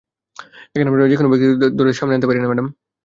এখন আমরা যে কোনো ব্যক্তিকে ধরে তাতে সামনে আনতে পারিনা, ম্যাডাম।